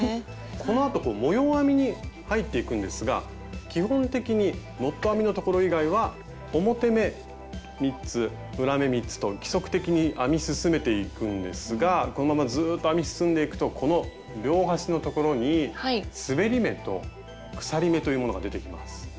このあと模様編みに入っていくんですが基本的にノット編みのところ以外は表目３つ裏目３つと規則的に編み進めていくんですがこのままずっと編み進んでいくとこの両端のところにすべり目と鎖目というものが出てきます。